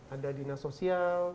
ada dinas sosial